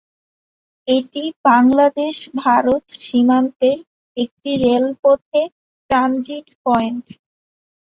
এটি বাংলাদেশ-ভারত সীমান্তের একটি রেলপথে ট্রানজিট পয়েন্ট।